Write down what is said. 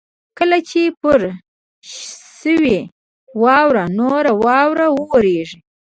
کله چې پر شوې واوره نوره واوره ورېږي.